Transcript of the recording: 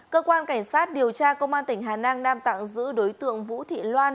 cơ quan cảnh sát điều tra công an tp hà nang đang tạng giữ đối tượng vũ thị loan